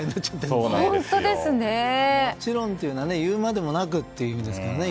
もちろんというのは言うまでもなくという意味ですからね。